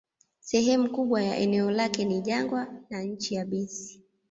Sehemu kubwa ya eneo lake ni jangwa na nchi yabisi.